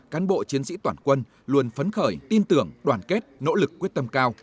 cán bộ chiến sĩ toàn quân luôn phấn khởi tin tưởng đoàn kết nỗ lực quyết tâm cao